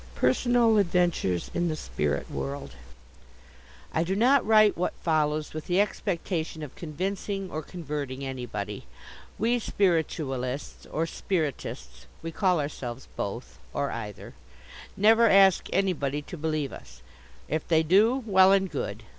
IV. Personal Adventures in the Spirit World I do not write what follows with the expectation of convincing or converting anybody. We Spiritualists, or Spiritists we call ourselves both, or either never ask anybody to believe us. If they do, well and good.